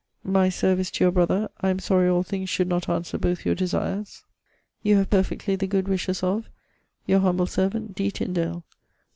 My service to your brother. I am sorry all thinges should not answear both your desires. You have perfectly the good wishes of, Your humble servant, D. TYNDALE.